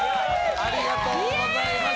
ありがとうございます！